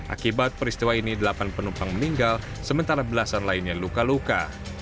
akibat peristiwa ini delapan penumpang meninggal sementara belasan lainnya luka luka